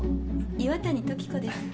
岩谷時子です」